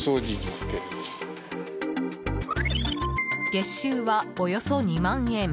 月収はおよそ２万円。